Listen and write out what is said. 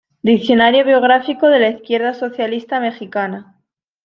Diccionario biográfico de la izquierda socialista mexicana".